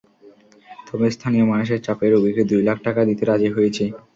তবে স্থানীয় মানুষের চাপে রোগীকে দুই লাখ টাকা দিতে রাজি হয়েছি।